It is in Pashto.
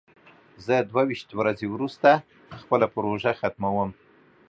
زه دوه ویشت ورځې وروسته خپله پروژه ختموم.